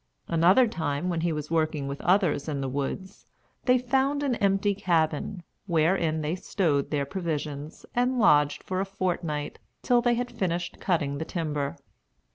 Another time, when he was working with others in the woods, they found an empty cabin, wherein they stowed their provisions, and lodged for a fortnight, till they had finished cutting the timber.